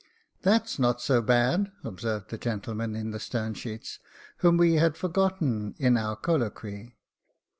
" That's not so bad," observed the gentleman in the stern sheets, whom we had forgotten in our colloquy.